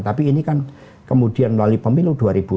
tapi ini kan kemudian melalui pemilu dua ribu dua puluh